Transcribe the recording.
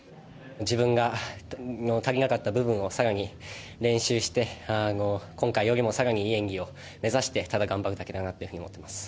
自分の足りなかった部分を更に練習して今回よりも更にいい演技を目指してただ頑張るだけだと思います。